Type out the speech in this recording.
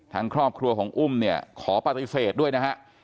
ทางครอบครัวของอุ้มเนี่ยขอปฏิเสธด้วยนะฮะ